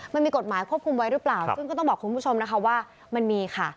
มันมีกฎหมายควบคุมไว้หรือเปล่าซึ่งก็ต้องบอกคุณผู้ชมนะคะว่ามันมีค่ะ